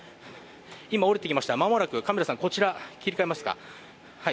今、降りてきました、カメラさんこちら切り替えますか？